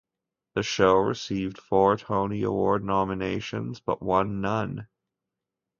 The show received four Tony Award nominations but won none.